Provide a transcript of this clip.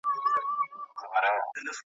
اوس چي هر مُلا ته وایم خپل خوبونه `